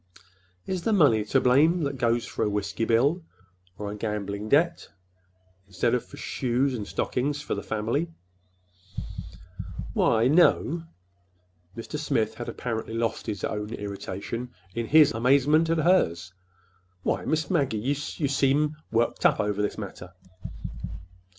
Is the money to blame that goes for a whiskey bill or a gambling debt instead of for shoes and stockings for the family?" "Why, n no." Mr. Smith had apparently lost his own irritation in his amazement at hers. "Why, Miss Maggie, you—you seem worked up over this matter."